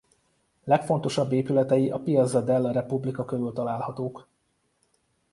Legfontosabb épületei a Piazza della Repubblica körül találhatók.